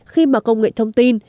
khi mà công nghệ thông tin